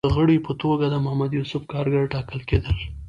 د غړي په توګه د محمد یوسف کارګر ټاکل کېدل